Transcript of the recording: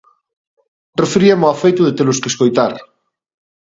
Referíame o feito de telos que escoitar.